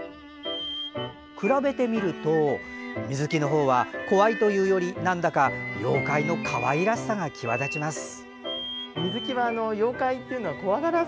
比べてみると水木のほうは、怖いというよりなんだか妖怪のかわいらしさが際立ちます。